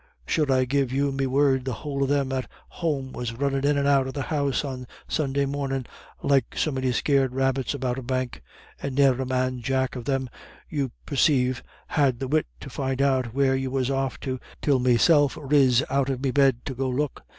Sure I give you me word the whole of them at home was runnin' in and out of the house on Sunday mornin' like so many scared rabbits about a bank. And ne'er a man jack of them, you persaive, had the wit to find out where you was off to till meself riz out of me bed to go look.